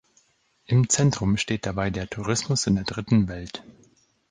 Im Zentrum steht dabei der Tourismus in der Dritten Welt.